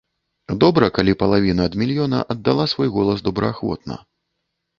Добра, калі палавіна ад мільёна аддала свой голас добраахвотна.